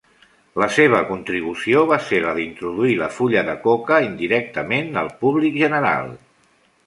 La seva contribució va ser la d'introduir la fulla de coca indirectament al públic general.